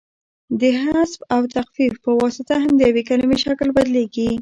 د حذف او تخفیف په واسطه هم د یوې کلیمې شکل بدلیږي.